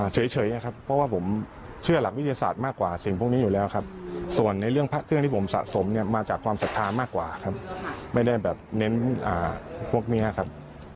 เฉยนะครับเพราะว่าผมเชื่อหลักวิทยาศาสตร์มากกว่าสิ่งพวกนี้อยู่แล้วครับ